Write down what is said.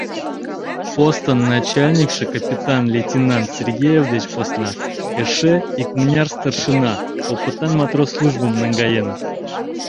Постын начальникше капитан-лейтенант Сергеев деч посна эше икмыняр старшина, опытан матрос службым наҥгаеныт.